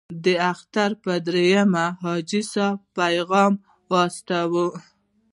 د اختر په دریمه حاجي صاحب پیغام واستاوه.